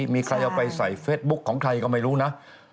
มีใครเอาไปใส่เฟสบุ๊คของใครก็ไม่รู้นะ